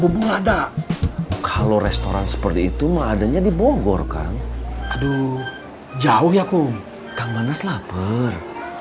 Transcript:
ada ada kalau restoran seperti itu maadanya di bogor kan aduh jauh ya kum kang banas lapar